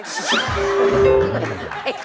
ดูดู